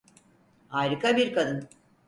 Harika bir kadın.